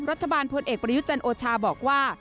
รัฐบาลพลเอกประยุจรรย์โอชาบอกว่า